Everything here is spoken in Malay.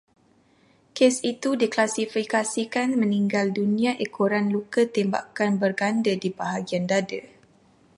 Kes itu diklasifikasikan meninggal dunia ekoran luka tembakan berganda di bahagian dada